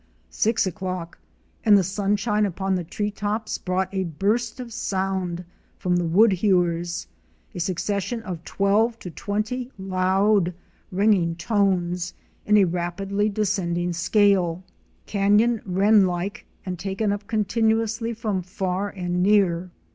Six o'clock, and the sunshine upon the tree tops brought a burst of sound from the Woodhewers, a succession of twelve to twenty loud, ringing tones in a rapidly descending scale — Canyon Wren like and taken up continuously from far and near.